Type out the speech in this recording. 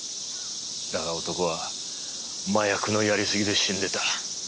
だが男は麻薬のやりすぎで死んでた。